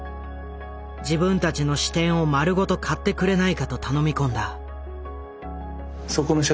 自分たちの支店を丸ごと買ってくれないかと頼み込んだ。